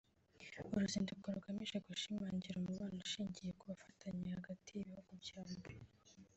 uruzinduko rugamije gushimangira umubano ushingiye ku bufatanye hagati y’ibihugu byombi